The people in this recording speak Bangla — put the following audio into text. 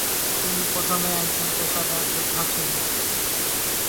তিনি প্রথমে একজন পেশাদার যোদ্ধা ছিলেন।